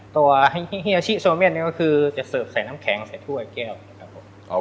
ตัวเฮียชิโซเม่นเนี่ยก็คือจะเสิร์ฟใส่น้ำแข็งใส่ถ้วยแก้วนะครับผม